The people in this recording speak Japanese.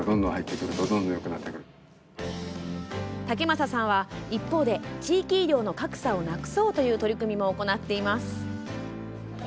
竹政さんは、一方で地域医療の格差をなくそうという取り組みも行っています。